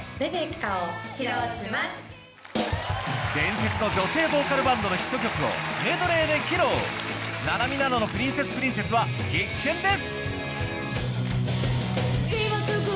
伝説の女性ボーカルバンドのヒット曲をメドレーで披露ななみななのプリンセスプリンセスは必見です